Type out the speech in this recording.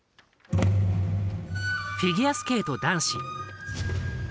フィギュアスケート男子。